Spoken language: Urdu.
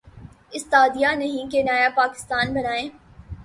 استدعا یہ نہیں کہ نیا پاکستان بنائیں۔